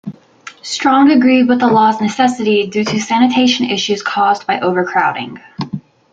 Strong agreed with the law's necessity due to sanitation issues caused by overcrowding.